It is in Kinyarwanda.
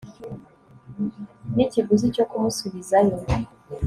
n ikiguzi cyo kumusubizayo